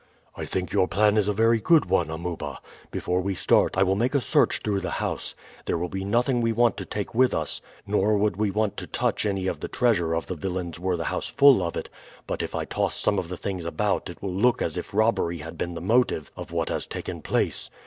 "I think your plan is a very good one, Amuba. Before we start I will make a search through the house. There will be nothing we want to take with us, nor would we touch any of the treasure of the villains were the house full of it; but if I toss some of the things about it will look as if robbery had been the motive of what has taken place.